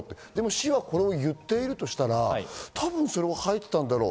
市がこれを言っているとしたら、それも入っていたんだろう。